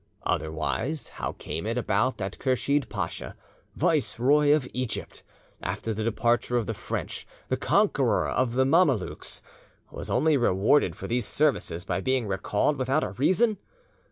Otherwise, how came it about that Kursheed Pasha, Viceroy of Egypt—after the departure of the French, the conqueror of the Mamelukes, was only rewarded for these services by being recalled without a reason?